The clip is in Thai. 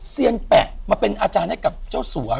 เซียนแปะมาเป็นอาจารย์ให้กับเจ้าสัว